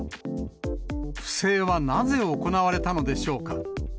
不正はなぜ行われたのでしょうか。